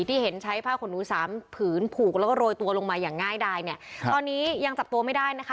ที่เห็นใช้ผ้าขนหนูสามผืนผูกแล้วก็โรยตัวลงมาอย่างง่ายดายเนี่ยครับตอนนี้ยังจับตัวไม่ได้นะคะ